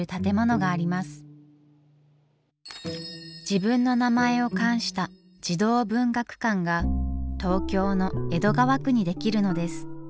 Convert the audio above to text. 自分の名前を冠した児童文学館が東京の江戸川区にできるのです。